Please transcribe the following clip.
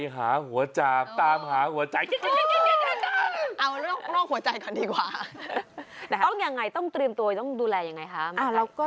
หัวใจขาดรักโอ้โฮโอ้โฮโอ้โฮ